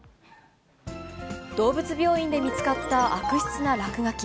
動物病院で見つかった悪質な落書き。